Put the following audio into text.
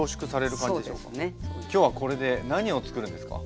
今日はこれで何を作るんですか？